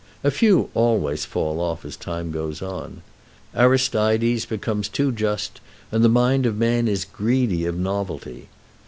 A few always fall off as time goes on. Aristides becomes too just, and the mind of man is greedy of novelty.